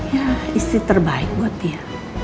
ya isi terbaik buat dia